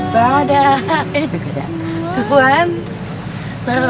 badai tuhan berlah bergegol